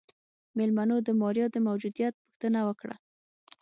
مېلمنو د ماريا د موجوديت پوښتنه وکړه.